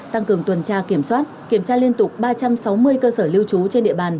tăng cường tuần tra kiểm soát kiểm tra liên tục ba trăm sáu mươi cơ sở lưu trú trên địa bàn